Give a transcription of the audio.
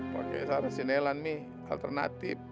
pakai cara sinelan mi alternatif